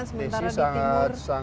sementara di timur